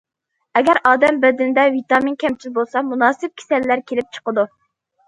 ئەگەر ئادەم بەدىنىدە ۋىتامىن كەمچىل بولسا، مۇناسىپ كېسەللەر كېلىپ چىقىدۇ.